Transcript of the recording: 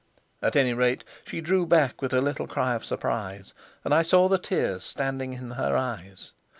At any rate she drew back with a little cry of surprise, and I saw the tears standing in her eyes.